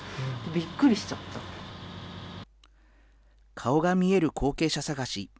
顔が見える後継者探し。